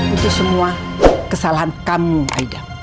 itu semua kesalahan kamu aida